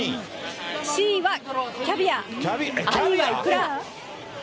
Ｃはキャビア、Ｉはイクラ。